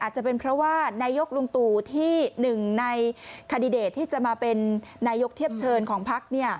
จะเป็นเพราะว่านายกลุงตู่ที่หนึ่งในคาดิเดตที่จะมาเป็นนายกเทียบเชิญของพัก